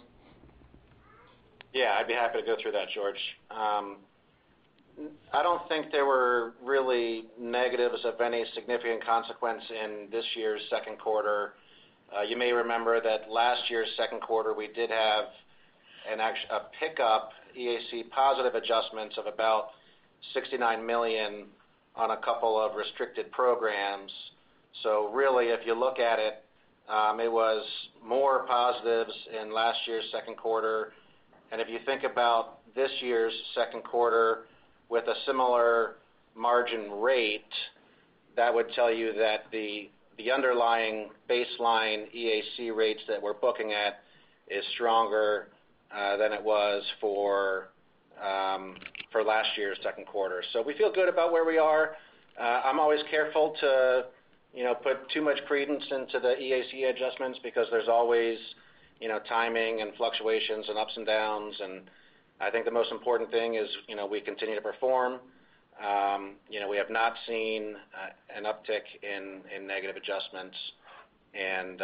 Yeah, I'd be happy to go through that, George. I don't think there were really negatives of any significant consequence in this year's second quarter. You may remember that last year's second quarter, we did have a pickup EAC positive adjustments of about $69 million on a couple of restricted programs. Really, if you look at it was more positives in last year's second quarter. If you think about this year's second quarter with a similar margin rate, that would tell you that the underlying baseline EAC rates that we're booking at is stronger than it was for last year's second quarter. We feel good about where we are. I'm always careful to put too much credence into the EAC adjustments because there's always timing and fluctuations and ups and downs, and I think the most important thing is we continue to perform. We have not seen an uptick in negative adjustments and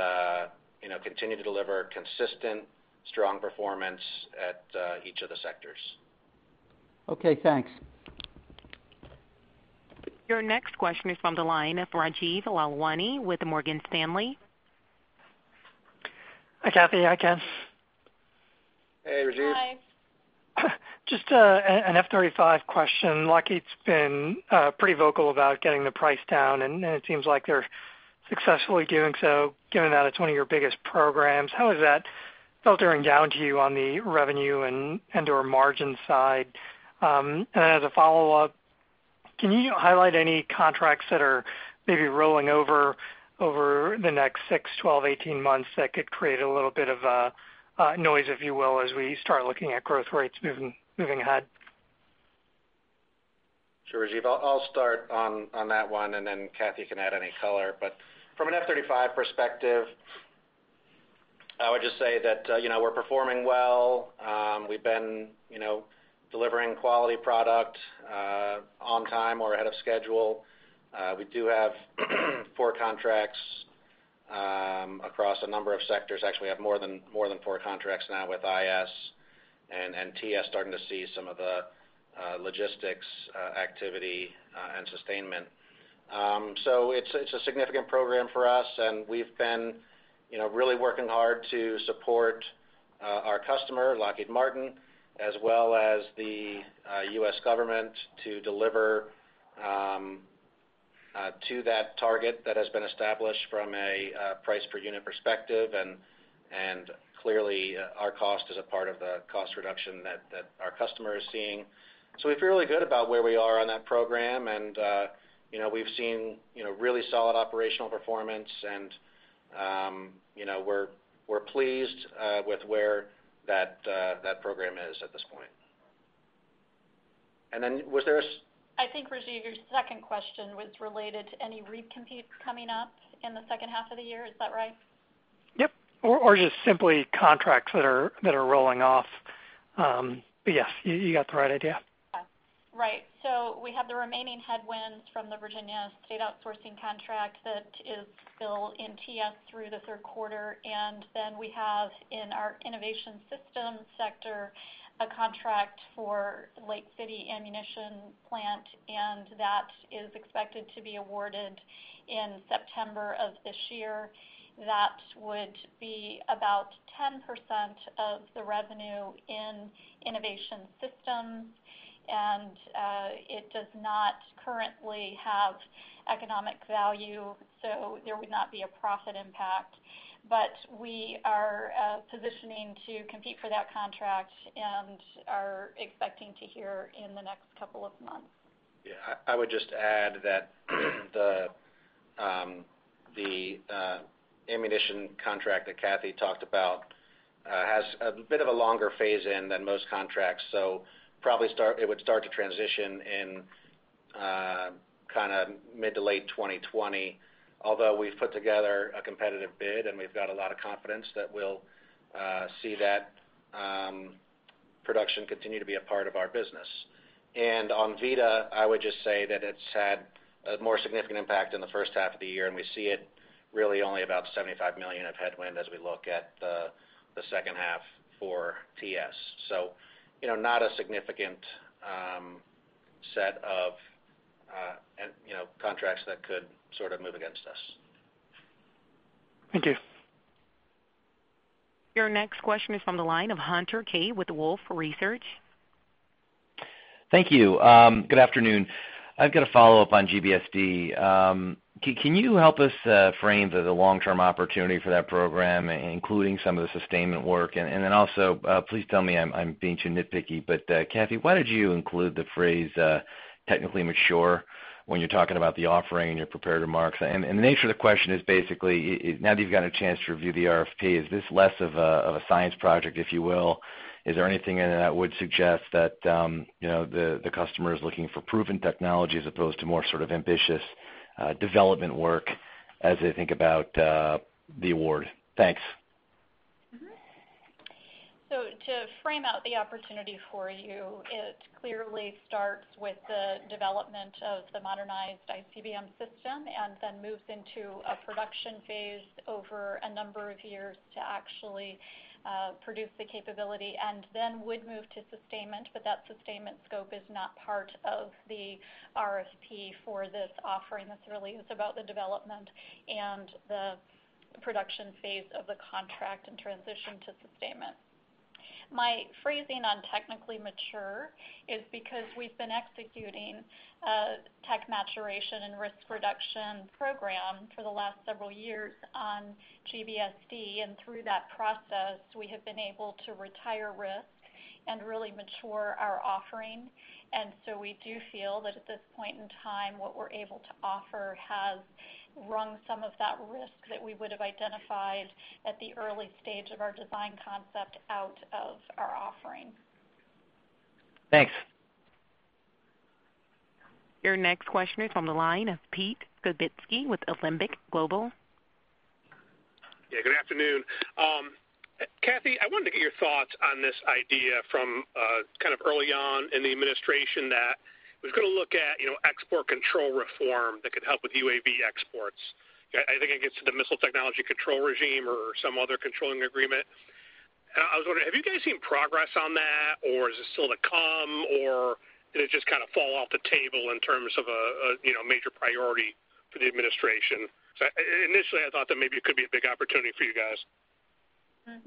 continue to deliver consistent strong performance at each of the sectors. Okay, thanks. Your next question is from the line of Rajeev Lalwani with Morgan Stanley. Hi, Kathy. Hi, Ken. Hey, Rajeev. Hi. Just an F-35 question. Lockheed's been pretty vocal about getting the price down, and it seems like they're successfully doing so, given that it's one of your biggest programs. How is that filtering down to you on the revenue and/or margin side? As a follow-up, can you highlight any contracts that are maybe rolling over the next six, 12, 18 months that could create a little bit of noise, if you will, as we start looking at growth rates moving ahead? Sure, Rajeev. I'll start on that one, and then Kathy can add any color. From an F-35 perspective, I would just say that we're performing well. We've been delivering quality product on time or ahead of schedule. We do have four contracts across a number of sectors, actually, we have more than four contracts now with IS and TS starting to see some of the logistics activity and sustainment. It's a significant program for us, and we've been really working hard to support our customer, Lockheed Martin, as well as the U.S. government to deliver to that target that has been established from a price per unit perspective, and clearly our cost is a part of the cost reduction that our customer is seeing. We feel really good about where we are on that program, and we've seen really solid operational performance, and we're pleased with where that program is at this point. I think, Rajeev, your second question was related to any recompete coming up in the second half of the year. Is that right? Yep. Just simply contracts that are rolling off. Yes, you got the right idea. Okay. Right. We have the remaining headwinds from the Virginia State outsourcing contract that is still in TS through the third quarter. We have in our Innovation Systems sector, a contract for Lake City Ammunition Plant, and that is expected to be awarded in September of this year. That would be about 10% of the revenue in Innovation Systems, and it does not currently have economic value, so there would not be a profit impact. We are positioning to compete for that contract and are expecting to hear in the next couple of months. I would just add that the ammunition contract that Kathy talked about has a bit of a longer phase in than most contracts, so probably it would start to transition in mid to late 2020. Although we've put together a competitive bid, and we've got a lot of confidence that we'll see that production continue to be a part of our business. On VITA, I would just say that it's had a more significant impact in the first half of the year, and we see it really only about $75 million of headwind as we look at the second half for TS. Not a significant set of contracts that could sort of move against us. Thank you. Your next question is from the line of Hunter Keay with Wolfe Research. Thank you. Good afternoon. I've got a follow-up on GBSD. Can you help us frame the long-term opportunity for that program, including some of the sustainment work? Also, please tell me I'm being too nitpicky, but, Kathy, why did you include the phrase, "technically mature," when you're talking about the offering in your prepared remarks? The nature of the question is basically, now that you've got a chance to review the RFP, is this less of a science project, if you will? Is there anything in there that would suggest that the customer is looking for proven technology as opposed to more sort of ambitious development work as they think about the award? Thanks. To frame out the opportunity for you, it clearly starts with the development of the modernized ICBM system and then moves into a production phase over a number of years to actually produce the capability and then would move to sustainment, but that sustainment scope is not part of the RFP for this offering. This really is about the development and the production phase of the contract and transition to sustainment. My phrasing on technically mature is because we've been executing a tech maturation and risk reduction program for the last several years on GBSD, and through that process, we have been able to retire risk and really mature our offering. We do feel that at this point in time, what we're able to offer has wrung some of that risk that we would have identified at the early stage of our design concept out of our offering. Thanks. Your next question is from the line of Pete Skibitski with Alembic Global. Yeah. Good afternoon. Kathy, I wanted to get your thoughts on this idea from kind of early on in the administration that was going to look at export control reform that could help with UAV exports. I think it gets to the Missile Technology Control Regime or some other controlling agreement. I was wondering, have you guys seen progress on that, or is it still to come, or did it just kind of fall off the table in terms of a major priority for the administration? Initially, I thought that maybe it could be a big opportunity for you guys. Pete,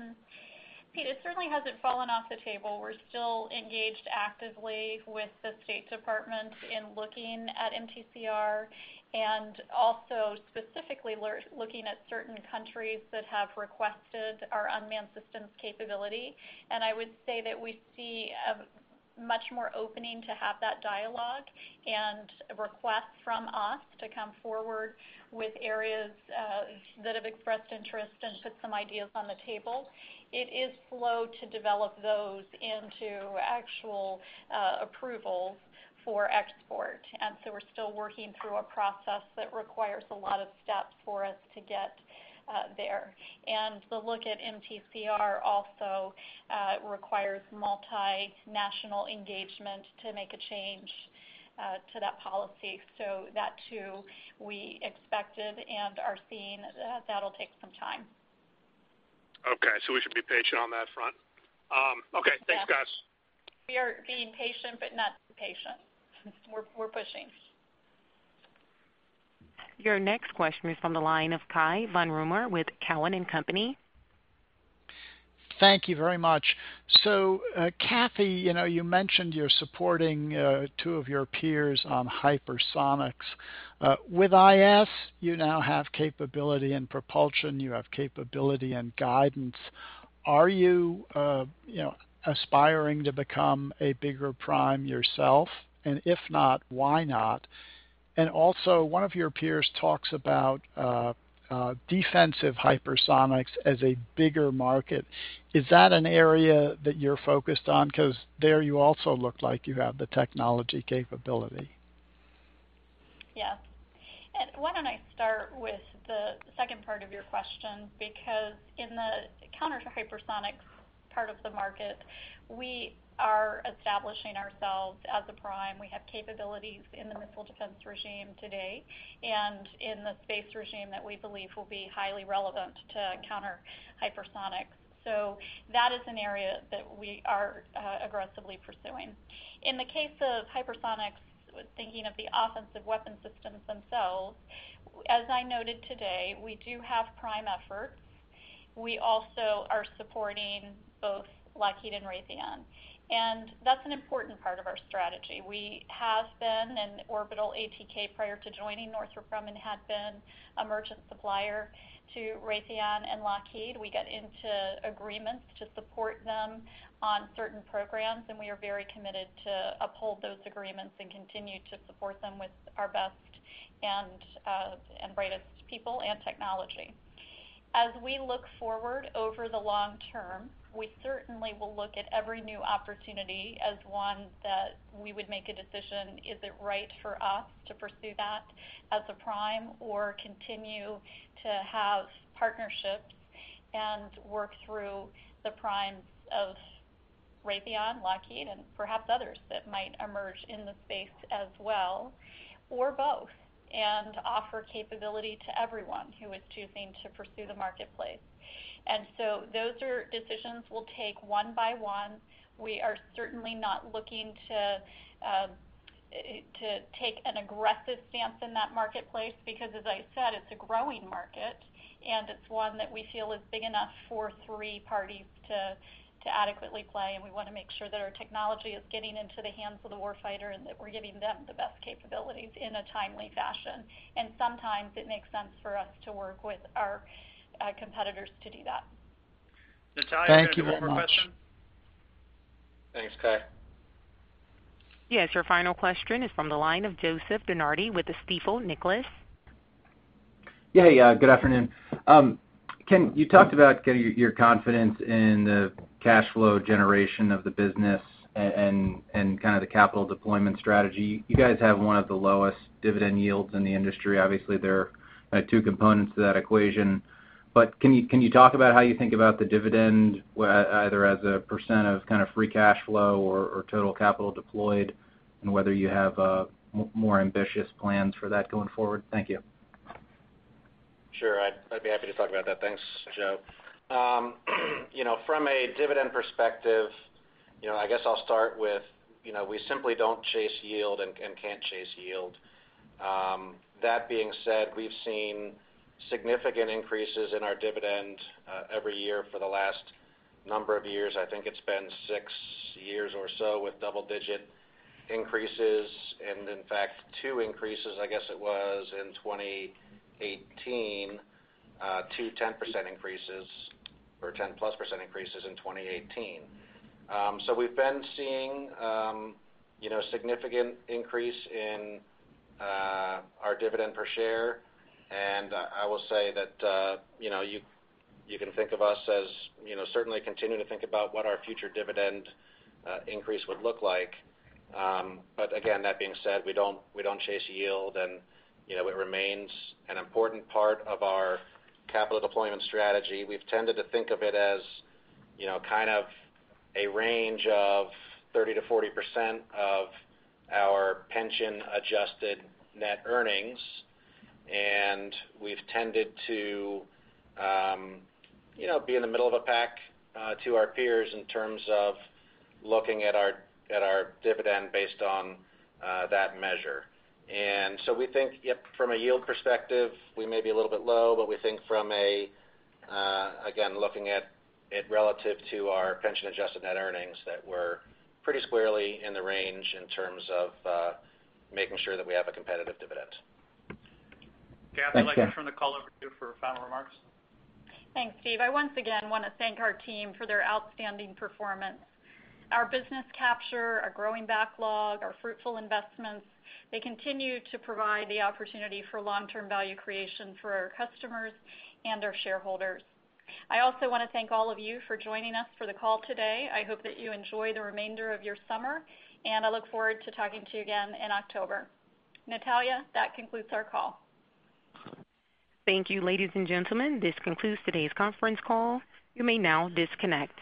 it certainly hasn't fallen off the table. We're still engaged actively with the State Department in looking at MTCR and also specifically looking at certain countries that have requested our unmanned systems capability. I would say that we see a much more opening to have that dialogue and requests from us to come forward with areas that have expressed interest and put some ideas on the table. It is slow to develop those into actual approvals for export, and so we're still working through a process that requires a lot of steps for us to get there. The look at MTCR also requires multinational engagement to make a change to that policy. That too, we expected and are seeing that'll take some time. Okay. We should be patient on that front. Okay. Yeah. Thanks, guys. We are being patient, but not too patient. We're pushing. Your next question is from the line of Cai von Rumohr with Cowen and Company. Thank you very much. Kathy, you mentioned you're supporting two of your peers on hypersonics. With IS, you now have capability and propulsion, you have capability and guidance. Are you aspiring to become a bigger prime yourself? If not, why not? Also, one of your peers talks about defensive hypersonics as a bigger market. Is that an area that you're focused on? There you also look like you have the technology capability. Yeah. Why don't I start with the second part of your question, because in the counter to hypersonics part of the market, we are establishing ourselves as a prime. We have capabilities in the missile defense regime today and in the space regime that we believe will be highly relevant to counter hypersonics. That is an area that we are aggressively pursuing. In the case of hypersonics, thinking of the offensive weapon systems themselves, as I noted today, we do have prime efforts. We also are supporting both Lockheed and Raytheon, and that's an important part of our strategy. We have been, and Orbital ATK prior to joining Northrop Grumman, had been a merchant supplier to Raytheon and Lockheed. We get into agreements to support them on certain programs, and we are very committed to uphold those agreements and continue to support them with our best and brightest people and technology. As we look forward over the long term, we certainly will look at every new opportunity as one that we would make a decision. Is it right for us to pursue that as a prime or continue to have partnerships and work through the primes of Raytheon, Lockheed, and perhaps others that might emerge in the space as well, or both, and offer capability to everyone who is choosing to pursue the marketplace. Those are decisions we'll take one by one. We are certainly not looking to take an aggressive stance in that marketplace because, as I said, it's a growing market and it's one that we feel is big enough for three parties to adequately play. We want to make sure that our technology is getting into the hands of the warfighter and that we're giving them the best capabilities in a timely fashion. Sometimes it makes sense for us to work with our competitors to do that. Thank you very much. Natalia, do you have a question? Thanks, Cai. Yes, your final question is from the line of Joseph DeNardi with Stifel Nicolaus. Yeah. Good afternoon. You talked about your confidence in the cash flow generation of the business and kind of the capital deployment strategy. You guys have one of the lowest dividend yields in the industry. Obviously, there are two components to that equation. Can you talk about how you think about the dividend, either as a % of kind of free cash flow or total capital deployed, and whether you have more ambitious plans for that going forward? Thank you. Sure. I'd be happy to talk about that. Thanks, Joe. From a dividend perspective, I guess I'll start with, we simply don't chase yield and can't chase yield. That being said, we've seen significant increases in our dividend every year for the last number of years. I think it's been six years or so with double-digit increases and in fact, two increases, I guess it was in 2018, two 10% increases or 10-plus % increases in 2018. We've been seeing significant increase in our dividend per share. I will say that you can think of us as certainly continuing to think about what our future dividend increase would look like. Again, that being said, we don't chase yield, and it remains an important part of our capital deployment strategy. We've tended to think of it as kind of a range of 30%-40% of our pension adjusted net earnings. We've tended to be in the middle of a pack to our peers in terms of looking at our dividend based on that measure. We think from a yield perspective, we may be a little bit low, but we think from a, again, looking at it relative to our pension adjusted net earnings, that we're pretty squarely in the range in terms of making sure that we have a competitive dividend. Thank you. Kathy, I'd like to turn the call over to you for final remarks. Thanks, Steve. I once again want to thank our team for their outstanding performance. Our business capture, our growing backlog, our fruitful investments, they continue to provide the opportunity for long-term value creation for our customers and our shareholders. I also want to thank all of you for joining us for the call today. I hope that you enjoy the remainder of your summer, and I look forward to talking to you again in October. Natalia, that concludes our call. Thank you, ladies and gentlemen. This concludes today's conference call. You may now disconnect.